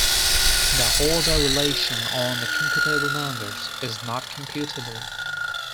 The order relation on the computable numbers is not computable.